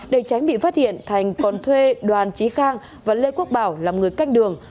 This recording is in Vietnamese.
để tránh bị phát hiện thành còn thuê đoàn trí khang và lê quốc bảo làm người canh đường